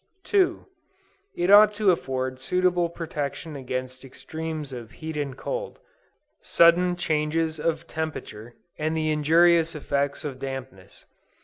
2. It ought to afford suitable protection against extremes of heat and cold, sudden changes of temperature, and the injurious effects of dampness.